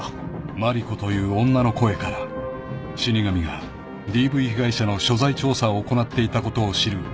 ［マリコという女の声から死神がＤＶ被害者の所在調査を行っていたことを知る玲奈だったが］